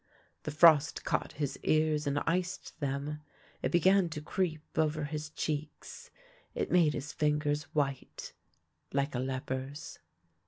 The frost caught his ears and iced them ; it be gan to creep over his cheeks ; it made his fingers white, like a leper's.